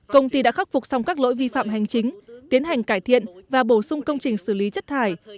công ty đã khắc phục xong các lỗi vi phạm hành chính tiến hành cải thiện và bổ sung công trình xử lý chất thải